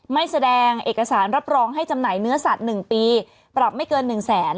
ไม่แสดงเอกสารรับรองให้จำหน่ายเนื้อสัตว์๑ปีปรับไม่เกิน๑แสน